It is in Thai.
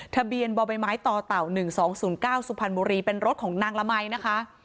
ทะเบียนบ่อใบไม้ต่อเต่า๑๒๐๙สุพรรณบุรีเป็นรถของนางละมัยนะคะ